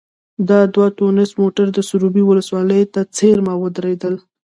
دا دوه ټونس موټر د سروبي ولسوالۍ ته څېرمه ودرېدل.